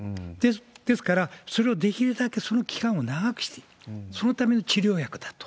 ですから、それをできるだけその期間を長くしてやる、そのための治療薬だと。